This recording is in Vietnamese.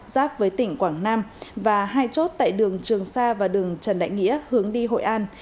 giáp với tỉnh quảng nam và hai chốt tại đường trường sa và đường trần đại nghĩa hướng đi hội an